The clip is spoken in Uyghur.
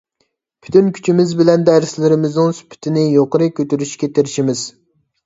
پۈتۈن كۈچىمىز بىلەن دەرسلىرىمىزنىڭ سۈپىتىنى يۇقىرى كۆتۈرۈشكە تىرىشىمىز.